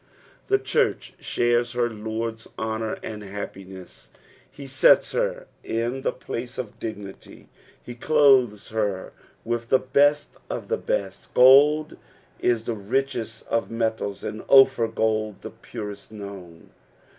the church sharea her Lord's honour and happiness, he sets ber in the place of dignity, he clothes her with the best of the bcsL Gold is the richest of meUls, and Opliir gold the purest known.